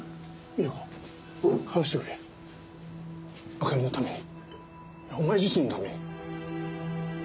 あかりのためにお前自身のために。